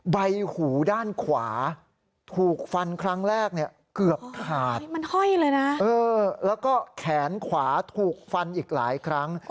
ใบหูด้านขวาถูกฟันครั้งแรกเนี่ยเกือบขาดมันห้อยเลยนะแล้วก็แขนขวาถูกฟันอีกหลายครั้ง